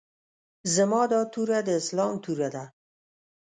زما دا توره د اسلام توره ده.